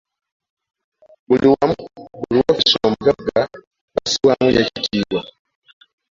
Buli wamu, buli woofiisi omugagga bassibwamu nnyo ekitiibwa.